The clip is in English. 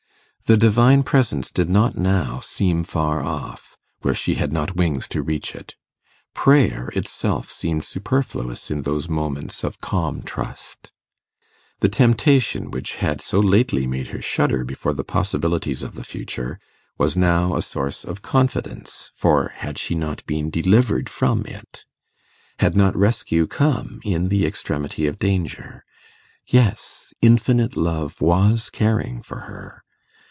The Divine Presence did not now seem far off, where she had not wings to reach it; prayer itself seemed superfluous in those moments of calm trust. The temptation which had so lately made her shudder before the possibilities of the future, was now a source of confidence; for had she not been delivered from it? Had not rescue come in the extremity of danger? Yes; Infinite Love was caring for her.